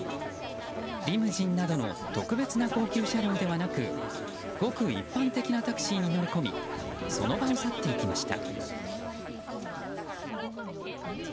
リムジンなどの特別な高級車両ではなくごく一般的なタクシーに乗り込みその場を去っていきました。